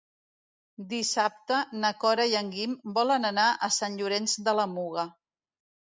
Dissabte na Cora i en Guim volen anar a Sant Llorenç de la Muga.